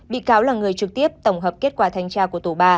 bị cáo là người trực tiếp tổng hợp kết quả thanh tra của tổ ba